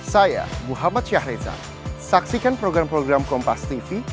saya muhammad syahridzal saksikan program program kompastv